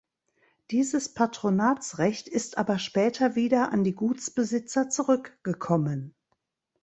Dieses Patronatsrecht ist aber später wieder an die Gutsbesitzer zurückgekommen.